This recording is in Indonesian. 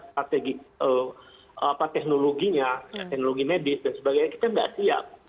strategi teknologinya teknologi medis dan sebagainya kita tidak siap